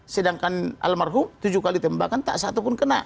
sedangkan almarhum tujuh kali tembakan tak satu pun kena